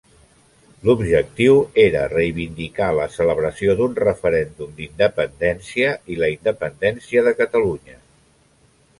L'objectiu era reivindicar la celebració d'un referèndum d'independència i la independència de Catalunya.